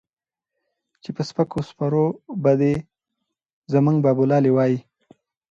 چې پۀ سپکو سپورو به دے زمونږ بابولالې وائي